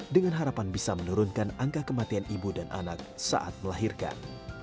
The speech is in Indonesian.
dengan harapan bisa menurunkan angka kematian ibu dan anak saat melahirkan